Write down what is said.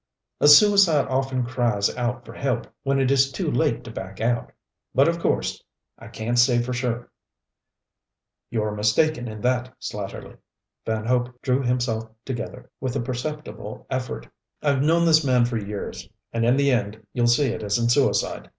"A suicide often cries out for help when it is too late to back out. But of course I can't say for sure." "You're mistaken in that, Slatterly." Van Hope drew himself together with a perceptible effort. "I've known this man for years and in the end, you'll see it isn't suicide.